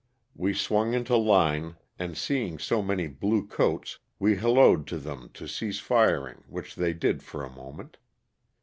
We swung into line and seeing so many blue coats we hallooed to them to cease firing which they did for a moment.